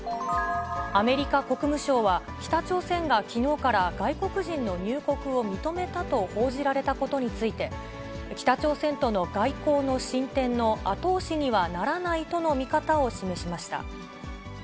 アメリカ国務省は、北朝鮮がきのうから外国人の入国を認めたと報じられたことについて、北朝鮮との外交の進展の後押しにはならないとの見方を示しました。